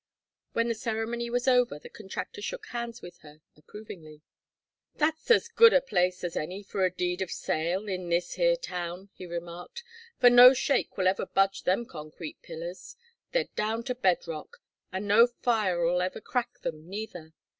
When the ceremony was over the contractor shook hands with her approvingly. "That's as good a place as any for a deed of sale in this here town," he remarked. "For no shake will ever budge them concrete pillars. They're down to bed rock. And no fire'll ever crack them, neither.